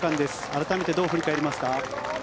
改めてどう振り返りますか？